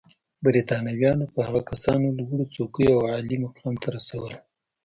برېټانویانو به هغه کسان لوړو څوکیو او عالي مقام ته رسول.